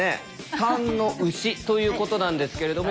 ３の「牛」ということなんですけれども。